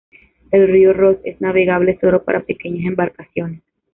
El río Ross es navegable solo para pequeñas embarcaciones.